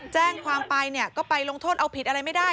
แจ้งความไปเนี่ยก็ไปลงโทษเอาผิดอะไรไม่ได้